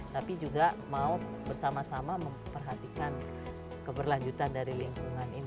tapi juga mau bersama sama memperhatikan keberlanjutan dari lingkungan ini